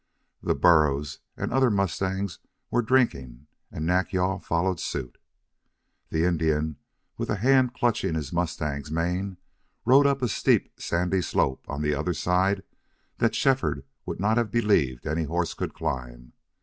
The burros and other mustangs were drinking, and Nack yal followed suit. The Indian, with a hand clutching his mustang's mane, rode up a steep, sandy slope on the other side that Shefford would not have believed any horse could climb.